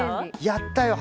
やったよ。